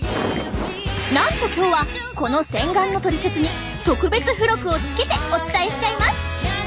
なんと今日はこの洗顔のトリセツに特別付録をつけてお伝えしちゃいます。